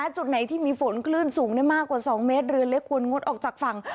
จุดไหนที่มีฝนคลื่นสูงได้มากกว่า๒เมตรเรือเล็กควรงดออกจากฝั่ง